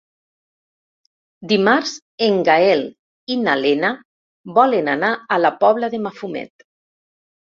Dimarts en Gaël i na Lena volen anar a la Pobla de Mafumet.